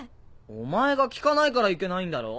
お前が聞かないからいけないんだろ！